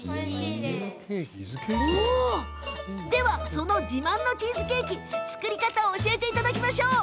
その自慢のチーズケーキ作り方を教えていただきましょう。